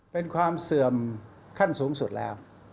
เป็นความเสื่อมขั้นสูงสุดแล้ว